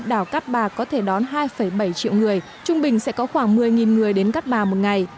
đảo cát bà có thể đón hai bảy triệu người trung bình sẽ có khoảng một mươi người đến cát bà một ngày